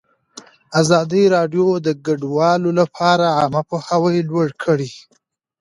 ازادي راډیو د کډوال لپاره عامه پوهاوي لوړ کړی.